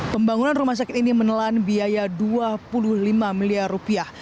pembangunan rumah sakit ini menelan biaya dua puluh lima miliar rupiah